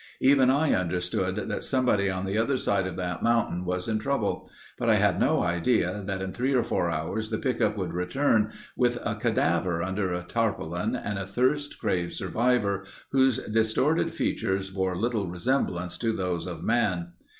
Even I understood that somebody on the other side of that mountain was in trouble, but I had no idea that in three or four hours the pickup would return with a cadaver under a tarpaulin and a thirst crazed survivor whose distorted features bore little resemblance to those of man.